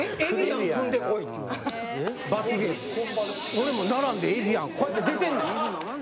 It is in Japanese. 俺も並んでエビアンこうやって出てんねん。